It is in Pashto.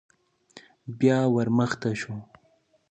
بيا ور مخته شو.